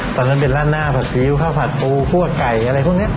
ตอนนั้นเป็นราดหน้าผัดซีอิ๊วข้าวผัดปูคั่วไก่อะไรพวกนี้